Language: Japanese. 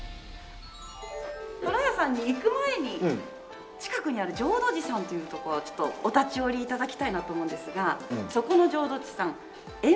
とらやさんに行く前に近くにある浄土寺さんというとこはちょっとお立ち寄り頂きたいなと思うんですがそこの浄土寺さん閻魔像があるんですね。